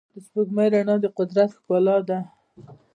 د سپوږمۍ رڼا د قدرت ښکلا ده.